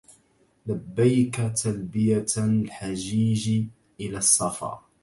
لبيك تلبية الحجيج إلى الصفا